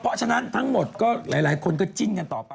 เพราะฉะนั้นทั้งหมดก็หลายคนก็จิ้นกันต่อไป